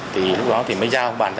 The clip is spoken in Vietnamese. thì lúc đó thì mới giao bán